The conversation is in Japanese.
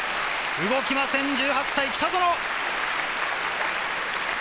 動きません、１８歳、北園！